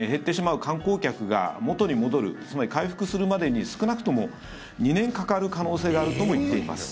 グアムの観光局は、この影響で減ってしまう観光客が元に戻るつまり回復するまでに少なくとも２年かかる可能性があるとも言っています。